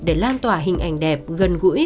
để lan tỏa hình ảnh đẹp gần gũi